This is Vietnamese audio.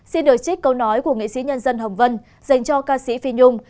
xin lời trích câu nói của nghệ sĩ nhân dân hồng vân dành cho ca sĩ phi nhung